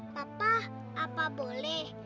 papa apa boleh